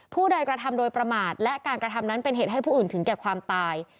ผู้ใดกระทำโดยประมาทและการกระทำนั้นเป็นเหตุให้ผู้อื่นถึงแก่ความตาย